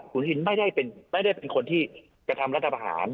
สุดทิศไม่ได้เป็นไม่ได้เป็นคนที่จะทำรัฐบาหาร